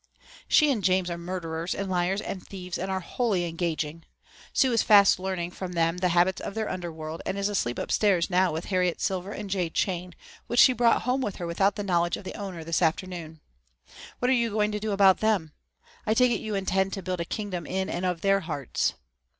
"She and James are murderers and liars and thieves and are wholly engaging. Sue is fast learning from them the habits of their underworld and is asleep upstairs now with Harriet's silver and jade chain, which she brought home with her without the knowledge of the owner this afternoon. What are you going to do about them? I take it you intend to build a kingdom in and of their hearts."